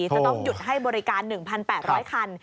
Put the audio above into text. จะต้องหยุดให้บริการ๑๘๐๐คัน